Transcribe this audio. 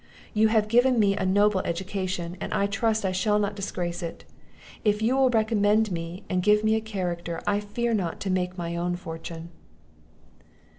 You have given me a noble education, and I trust I shall not disgrace it. If you will recommend me, and give me a character, I fear not to make my own fortune."